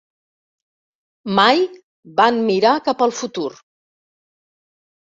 Mai van mirar cap al futur.